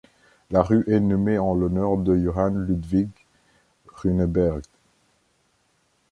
La rue est nommée en l'honneur de Johan Ludvig Runeberg.